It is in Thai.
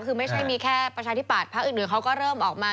คือไม่ใช่มีแค่ประชาธิบาทพระอึดเหนือเขาก็เริ่มออกมา